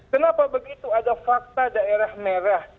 kenapa begitu ada fakta daerah merah